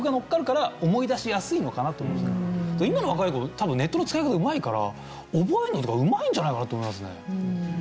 今の若い子多分ネットの使い方うまいから覚えるのとかうまいんじゃないかなと思いますね。